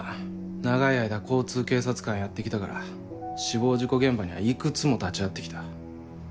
長い間交通警察官やって来たから死亡事故現場にはいくつも立ち会って来た。